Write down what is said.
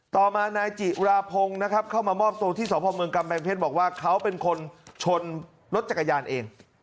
ต่อมานายจิราพงศ์นะครับเข้ามามอบตัวที่สพเมืองกำแพงเพชรบอกว่าเขาเป็นคนชนรถจักรยานเอง